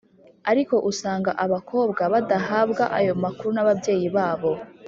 ariko usanga abakobwa badahabwa ayo makuru n’ababyeyi babo.